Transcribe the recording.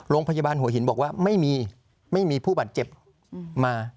โรงพยาบาลหัวหินบอกว่าไม่มีไม่มีผู้บาดเจ็บมา